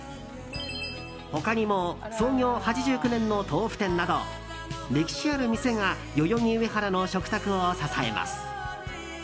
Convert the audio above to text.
他にも創業８９年の豆腐店など歴史ある店が代々木上原の食卓を支えます。